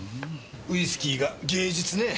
ウイスキーが芸術ねぇ。